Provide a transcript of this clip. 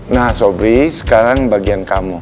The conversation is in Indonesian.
nah sobri sekarang bagian kamu